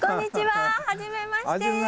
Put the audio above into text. はじめまして。